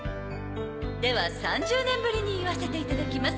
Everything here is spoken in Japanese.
では３０年ぶりに言わせていただきます。